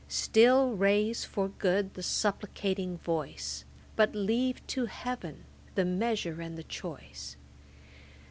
Still raise for good the supplicating voice, But leave to Heaven the measure and the choice.